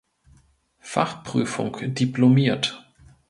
Fachprüfung diplomiert.